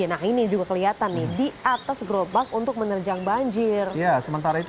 nah ini juga kelihatan nih di atas gerobak untuk menerjang banjir ya sementara itu